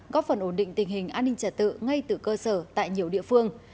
góp phần ổn định tình hình an ninh trả tự ngay từ cơ sở tại nhiều địa phương